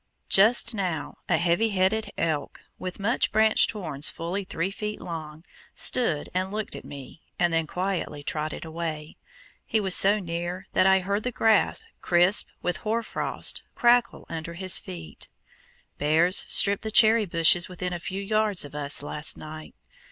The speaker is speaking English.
Just now a heavy headed elk, with much branched horns fully three feet long, stood and looked at me, and then quietly trotted away. He was so near that I heard the grass, crisp with hoar frost, crackle under his feet. Bears stripped the cherry bushes within a few yards of us last night.